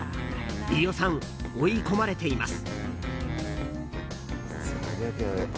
飯尾さん、追い込まれています。